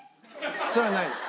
それはないです。